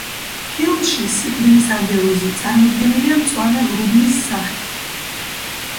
ფილმში სიკვდილის ანგელოზი წარმოდგენილია მწვანე ღრუბლის სახით.